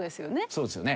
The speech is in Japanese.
そうですよね。